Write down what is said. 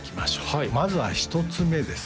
はいまずは１つ目です